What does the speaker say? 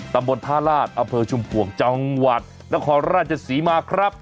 ตำบลท่าลาศอำเภอชุมพวงจังหวัดนครราชศรีมาครับ